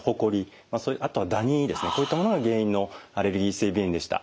あとはダニですねこういったものが原因のアレルギー性鼻炎でした。